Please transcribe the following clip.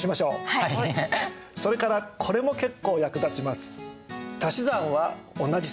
それからこれも結構役立ちます。